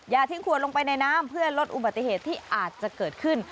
ทิ้งขวดลงไปในน้ำเพื่อลดอุบัติเหตุที่อาจจะเกิดขึ้น